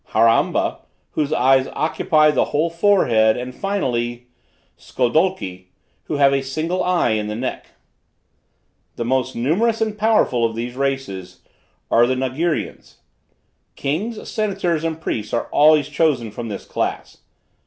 Harramba, whose eyes occupy the whole forehead; and finally, Skodolki, who have a single eye in the neck. The most numerous and powerful of these races, are the Nagirians. Kings, senators and priests are always chosen from this class.